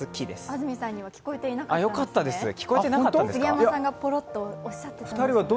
安住さんには聞こえていなかったんですね、杉山さんがポロッとおっしゃったんですけど。